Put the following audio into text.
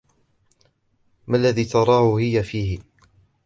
ما الذي تراهُ هيُ فيه؟